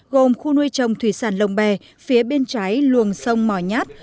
gồm khu nuôi trồng thủy sản lồng bè phía bên trái luồng sông mò nhát